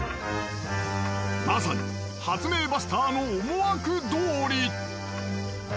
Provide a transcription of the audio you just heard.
まさに発明バスターの思惑どおり。